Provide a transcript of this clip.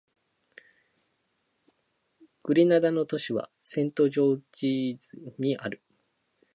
グレナダの首都はセントジョージズである